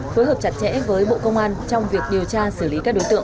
phối hợp chặt chẽ với bộ công an trong việc điều tra xử lý các đối tượng